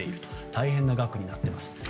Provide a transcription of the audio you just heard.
大変な額になっています。